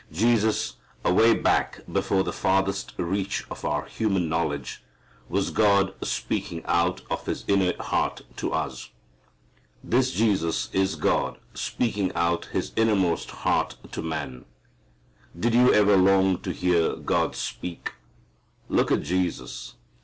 Jesus, away back before the farthest reach of our human knowledge, was God speaking out of His inner heart to us. This Jesus is God speaking out His innermost heart to man. Did you ever long to hear God speak? Look at Jesus.